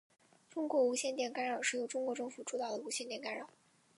中国无线电干扰是由中国政府主导的无线电干扰。